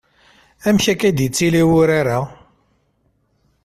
Amek akka i d-ittili wurar-a?